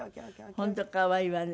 本当可愛いわね。